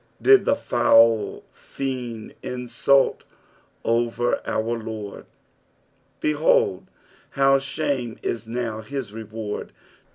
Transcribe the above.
Did the foul Hend insult over our Lord I Behold how shame is now his reward